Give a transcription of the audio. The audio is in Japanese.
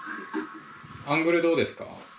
アングルどうですか？